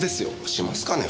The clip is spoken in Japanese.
しますかね？